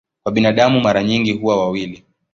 Kwa binadamu mara nyingi huwa wawili.